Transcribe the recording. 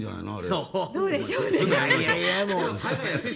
どうでしょうね。